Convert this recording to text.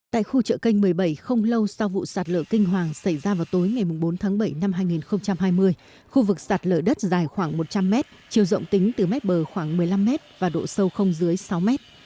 tại khu chợ kênh một mươi bảy không lâu sau vụ sạt lở kinh hoàng xảy ra vào tối ngày bốn tháng bảy năm hai nghìn hai mươi khu vực sạt lở đất dài khoảng một trăm linh mét chiều rộng tính từ mét bờ khoảng một mươi năm mét và độ sâu không dưới sáu mét